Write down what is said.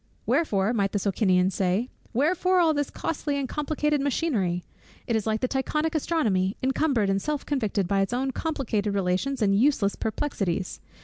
"Wherefore" (might the Socinian say) "Wherefore all this costly and complicated machinery? It is like the Tychonic astronomy, encumbered and self convicted by its own complicated relations and useless perplexities.